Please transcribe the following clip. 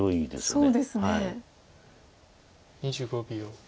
２５秒。